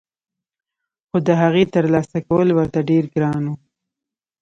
خو دهغې ترلاسه کول ورته ډېر ګران وو